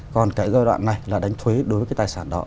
còn cái giai đoạn này là đánh thuế đối với cái tài sản đó